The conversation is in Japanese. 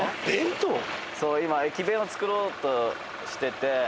今駅弁を作ろうとしてて。